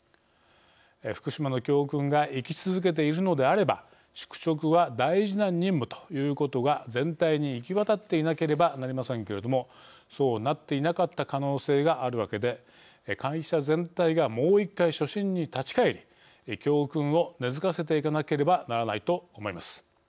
福島の教訓が生き続けているのであれば宿直は大事な任務ということが全体に行き渡っていなければなりませんけれどもそうなっていなかった可能性があるわけで、会社全体がもう一回初心に立ち返り教訓を根づかせていかなければならないと思います。